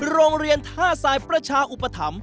โรงเรียนท่าทรายประชาอุปถัมภ